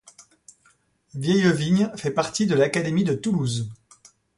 Vieillevigne fait partie de l'académie de Toulouse.